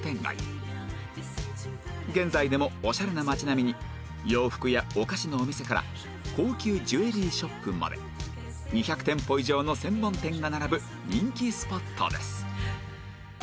現在でもオシャレな街並みに洋服やお菓子のお店から高級ジュエリーショップまで２００店舗以上の専門店が並ぶ人気スポットです